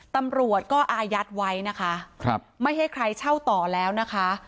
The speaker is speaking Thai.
ตำรวจก็อายัดไว้นะคะครับไม่ให้ใครเช่าต่อแล้วนะคะ